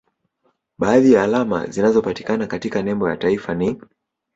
Baadhi ya alama zinazopatikana katika nembo ya taifa ni